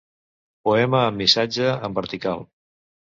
Poema amb missatge en vertical.